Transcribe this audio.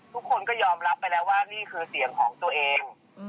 ทุกคนก็ยอมรับไปแล้วว่านี่คือเสียงของตัวเอง